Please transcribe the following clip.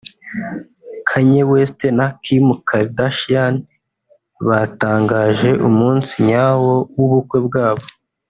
Kanye West na Kim Kardashian batangaje umunsi nyawo w’ubukwe bwabo